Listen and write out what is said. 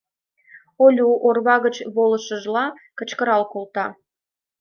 — Олю, орва гыч волышыжла, кычкырал колта.